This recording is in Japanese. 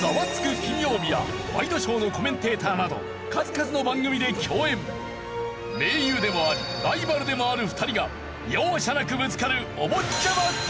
金曜日』やワイドショーのコメンテーターなど盟友でもありライバルでもある２人が容赦なくぶつかる。